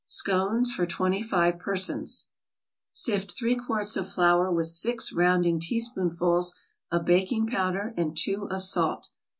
SCONES FOR TWENTY FIVE PERSONS Sift three quarts of flour with six rounding teaspoonfuls of baking powder and two of salt.